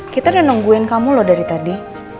kita udah nungguin kamu loh dari tadi